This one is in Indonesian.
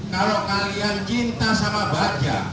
kalau kalian cinta sama baja